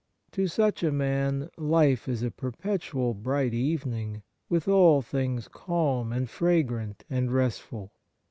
To such a man life is a perpetual bright evening, wath all things calm and fragrant and restful.